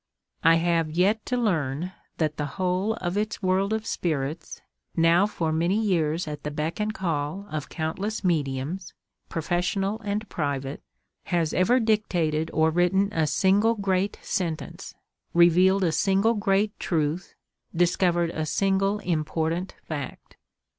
I have yet to learn that the whole of its world of spirits, now for many years at the beck and call of countless mediums, professional and private, has ever dictated or written a single great sentence, revealed a single great truth—discovered a single important fact.